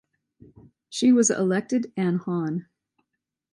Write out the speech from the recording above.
She was elected an Hon.